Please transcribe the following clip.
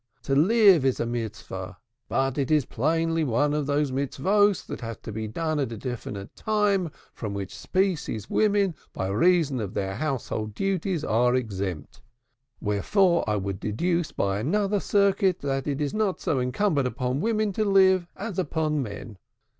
To live is a Mitzvah, but it is plainly one of those Mitzvahs that have to be done at a definite time, from which species women, by reason of their household duties, are exempt; wherefore I would deduce by another circuit that it is not so incumbent upon women to live as upon men.